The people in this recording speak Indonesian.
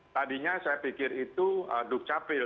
tadinya saya pikir itu duk capril